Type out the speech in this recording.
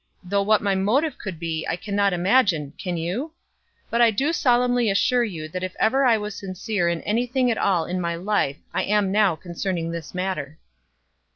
Though what my motive could be I can not imagine, can you? But I do solemnly assure you that if ever I was sincere in any thing in all my life I am now concerning this matter."